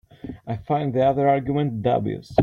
I find the other argument dubious.